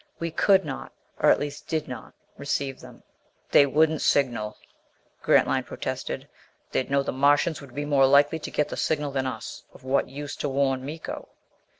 We could not or, at least, did not receive them. "They wouldn't signal," Grantline protested. "They'd know the Martians would be more likely to get the signal than us. Of what use to warn Miko?"